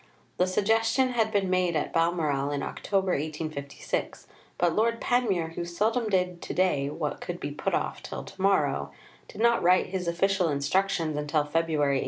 The suggestion had been made at Balmoral in October 1856; but Lord Panmure, who seldom did to day what could be put off till to morrow, did not write his official instructions until February 1857.